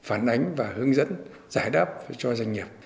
tiếp nhận phản ánh và hướng dẫn giải đáp cho doanh nghiệp